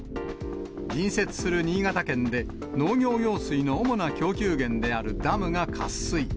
隣接する新潟県で、農業用水の主な供給源であるダムが渇水。